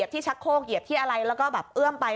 ชักโคกเหยียบที่อะไรแล้วก็แบบเอื้อมไป